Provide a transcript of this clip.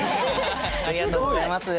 ありがとうございます。